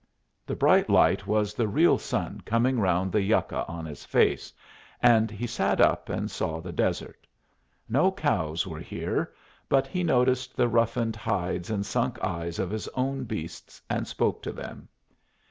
The bright light was the real sun coming round the yucca on his face, and he sat up and saw the desert. No cows were here, but he noticed the roughened hides and sunk eyes of his own beasts, and spoke to them.